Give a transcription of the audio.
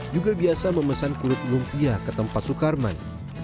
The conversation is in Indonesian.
juga biasa memesan kulit lumpia ke tempat sukarman